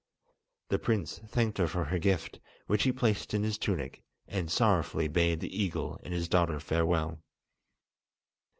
The prince thanked her for her gift, which he placed in his tunic, and sorrowfully bade the eagle and his daughter farewell.